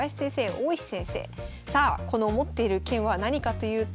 さあこの持っている券は何かというと。